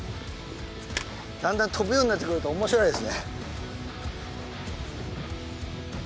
だんだん飛ぶようになってくると面白いですね。